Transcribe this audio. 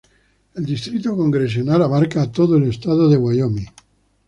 El distrito congresional abarca a todo el estado de Wyoming.